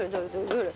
どれ？